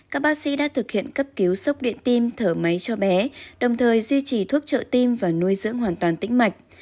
các bác sĩ đã thực hiện cấp cứu sốc điện tim thở máy cho bé đồng thời duy trì thuốc trợ tim và nuôi dưỡng hoàn toàn tĩnh mạch